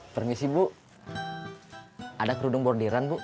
permisi bu ada kerudung bordiran bu